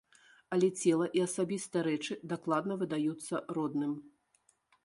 Але цела і асабістыя рэчы дакладна выдаюцца родным.